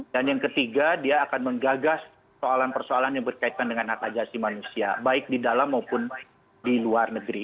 dan yang ketiga dia akan menggagas soalan persoalan yang berkaitan dengan hati agasi manusia baik di dalam maupun di luar negeri